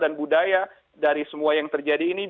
dan budaya dari semua yang terjadi ini